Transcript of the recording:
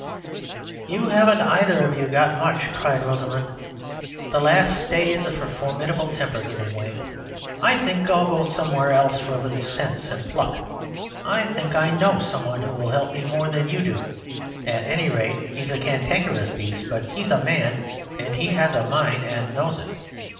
"You haven't either of you got much," cried Rosamund, the last stays of her formidable temper giving way; "I think I'll go somewhere else for a little sense and pluck. I think I know some one who will help me more than you do, at any rate... he's a cantankerous beast, but he's a man, and has a mind, and knows it..."